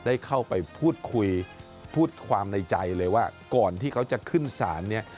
ได้เข้าไปพูดคุยพูดความในใจเลยว่าก่อนที่เขาจะขึ้นศาลเนี่ย